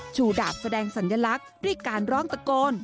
ดาบแสดงสัญลักษณ์ด้วยการร้องตะโกน